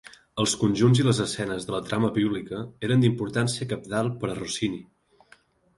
Els conjunts i les escenes de la trama bíblica eren d'importància cabdal per a Rossini.